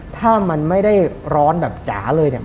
ถ้ามันไม่ได้ร้อนแบบจ๋าเลยเนี่ย